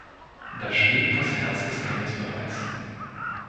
Da schlägt das Herz das Kindes bereits.